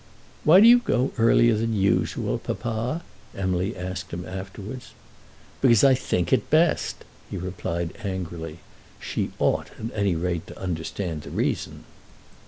"Why do you go earlier than usual, papa?" Emily asked him afterwards. "Because I think it best," he replied angrily. She ought at any rate to understand the reason.